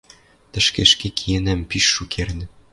Тӹштӹ ӹшке киэнӓм пиш шукердӹ